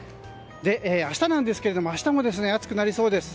明日なんですが明日も暑くなりそうです。